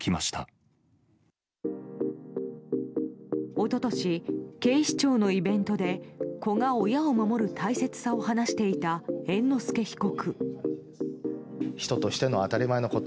一昨年、警視庁のイベントで子が親を守る大切さを話していた猿之助被告。